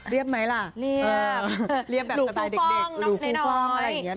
เรียบไหมล่ะเหลือฟูฟองอะไรอย่างเงี้ย